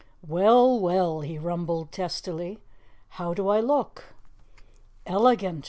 "Well! Well!" he rumbled testily, "how do I look?" "Elegant!"